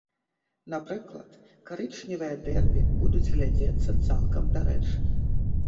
Напрыклад, карычневыя дэрбі будуць глядзецца цалкам дарэчы.